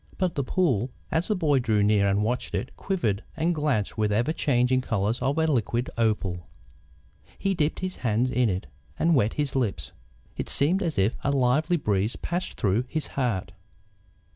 But the pool, as the boy drew near and watched it, quivered and glanced with the ever changing colours of a liquid opal. He dipped his hands in it and wet his lips. It seemed as if a lively breeze passed through his heart.